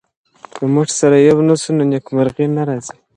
که موږ سره يو نه سو نو نېکمرغي نه راځي.